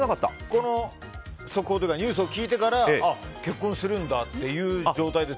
この速報というかニュースを聞いてから結婚するんだっていう状態で。